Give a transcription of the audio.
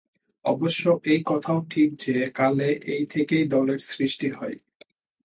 অবশ্য এই কথাও ঠিক যে, কালে এই থেকেই দলের সৃষ্টি হয়।